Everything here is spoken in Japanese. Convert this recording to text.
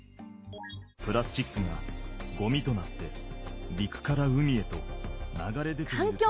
プラスチックがゴミとなってりくから海へとかんきょう